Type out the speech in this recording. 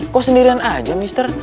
kok sendirian aja mister